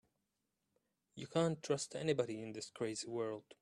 You can't trust anybody in this crazy world.